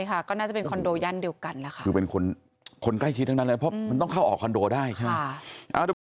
ก็น่าจะเป็นคอนโดย่านเดียวกันแหละค่ะคือเป็นคนใกล้ชิดทั้งนั้นเลยเพราะมันต้องเข้าออกคอนโดได้ใช่ไหม